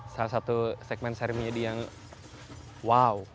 salah satu segmen seri minyak jadi yang wow